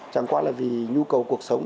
chẳng quá là vì nhu cầu cuộc sống